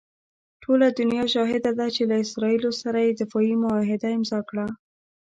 ټوله دنیا شاهده ده چې له اسراییلو سره یې دفاعي معاهده امضاء کړه.